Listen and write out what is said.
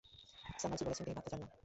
Summer ji বলেছেন যে তিনি বাচ্চা চান না।